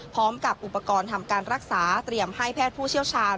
พร้อมกับอุปกรณ์ทำการรักษาเตรียมให้แพทย์ผู้เชี่ยวชาญ